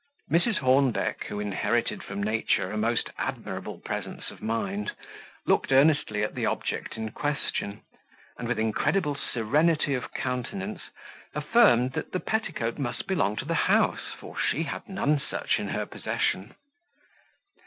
Mrs. Hornbeck, who inherited from nature a most admirable presence of mind, looked earnestly at the object in question, and, with incredible serenity of countenance, affirmed that the petticoat must belong to the house, for she had none such in her possession.